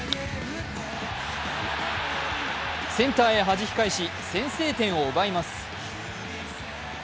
センターへはじき返し先制点を奪います。